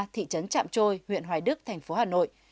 thị trấn trạm trôi huyện hoài đức thành phố hà nội